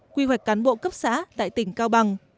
quy hoạch cán bộ cấp xã tại tỉnh cao bằng